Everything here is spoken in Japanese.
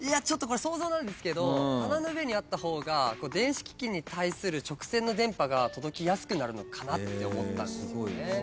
ちょっとこれ想像なんですけど棚の上にあった方が電子機器に対する直線の電波が届きやすくなるのかなって思った。